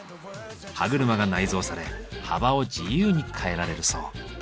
歯車が内蔵され幅を自由に変えられるそう。